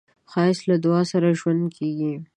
ښایست له دعا سره ژوندی کېږي